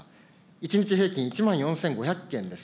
１日平均、１万４５００件です。